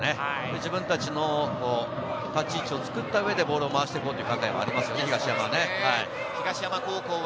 自分たちの立ち位置をつくった上で、ボールを回していこうという考えがありますね、東山は。